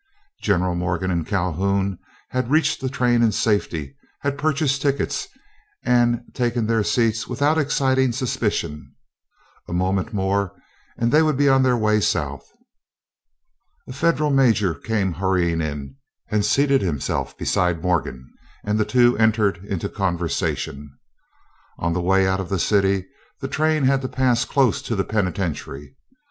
General Morgan and Calhoun had reached the train in safety; had purchased tickets, and taken their seats without exciting suspicion. A moment more and they would be on their way South. A Federal major came hurrying in and seated himself beside Morgan, and the two entered into conversation. On the way out of the city the train had to pass close to the penitentiary.